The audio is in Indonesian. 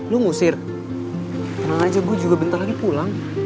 lu ngusir tenang aja gue juga bentar lagi pulang